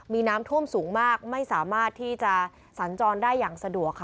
มีน้ำท่วมสูงมากไม่สามารถที่จะสัญจรได้อย่างสะดวกค่ะ